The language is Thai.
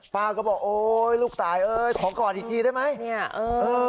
ป้าก็บอกโอ๊ยลูกตายขอกอดอีกทีได้ไหม